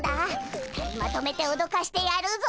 ２人まとめておどかしてやるぞ！